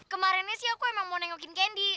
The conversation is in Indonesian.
kemarin sih aku emang mau nengokin candy